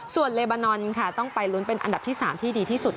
ส่วนเลบานอนค่ะต้องไปลุ้นเป็นอันดับที่๓ที่ดีที่สุด